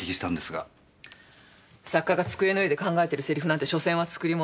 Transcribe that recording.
作家が机の上で考えてるセリフなんて所詮は作り物。